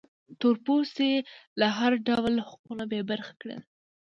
تور پوستي له هر ډول حقونو بې برخې کړل.